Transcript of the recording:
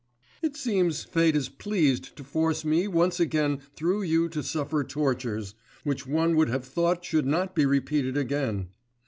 It seems fate is pleased to force me once again through you to suffer tortures, which one would have thought should not be repeated again....